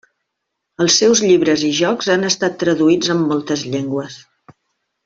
Els seus llibres i jocs han estat traduïts en moltes llengües.